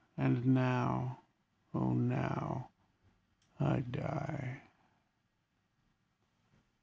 And now, oh! now, I die!